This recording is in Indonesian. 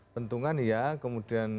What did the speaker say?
pentungan ya kemudian